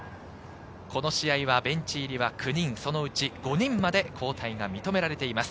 この試合はベンチ入りは９人、そのうち５人まで交代が認められています。